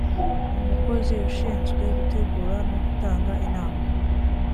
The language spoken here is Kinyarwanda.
umukozi ushinzwe gutegura no gutanga inama